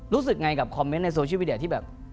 รู้สึกไงกับคอมเมนต์ในโซเชียลมีเดียที่แบบ